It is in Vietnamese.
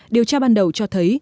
điều tra ban đầu cho thấy